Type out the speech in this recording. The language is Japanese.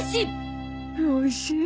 おいしい。